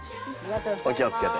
お気をつけて。